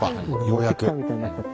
ようやく。